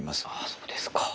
そうですか。